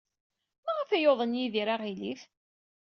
Maɣef ay yuḍen Yidir aɣilif?